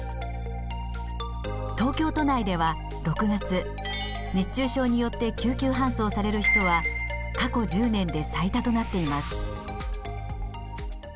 東京都内では６月熱中症によって救急搬送される人は過去１０年で最多となっています。